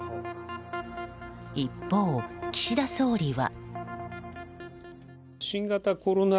一方、岸田総理は。